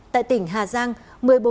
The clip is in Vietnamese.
tại tỉnh hà giang một mươi bốn nhà bị hưu